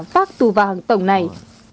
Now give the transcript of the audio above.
phát tù vàng tổng này